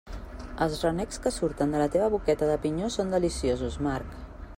Els renecs que surten de la teva boqueta de pinyó són deliciosos, Marc.